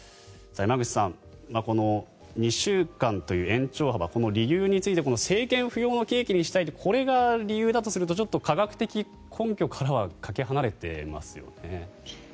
山口さんこの２週間という延長幅この理由について政権浮揚の契機にしたいとこれが理由だとするとちょっと科学的根拠からはかけ離れてますよね。